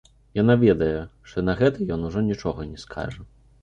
Яна ведае, што на гэта ён ужо нічога не скажа.